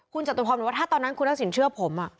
คุณจตุพรบอกว่าถ้าตอนนั้นคุณทักษิณเชื่อผม